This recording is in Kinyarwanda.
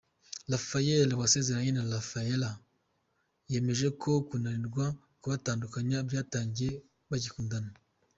Rafael wasezeranye na Rafaela yemeje ko kunanirwa kubatandukanya byatangiye bagikundana.